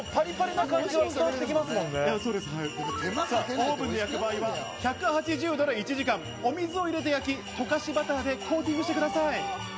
オーブンで焼く場合は１８０度で１時間、お水を入れて焼き、溶かしバターでコーティングしてください。